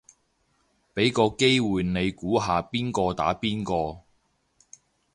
俾個機會你估下邊個打邊個